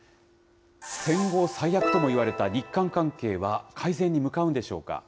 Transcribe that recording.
戦後最悪ともいわれた日韓関係は改善に向かうんでしょうか。